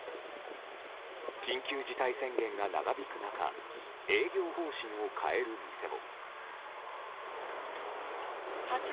緊急事態宣言が長引く中営業方針を変える店も。